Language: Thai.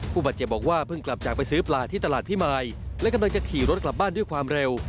ผู้บาดเจ็บบอกว่าเพิ่งกลับจากไปซื้อปลาที่ตลาดพิมายและกำลังจะขี่รถกลับบ้านด้วยความเร็ว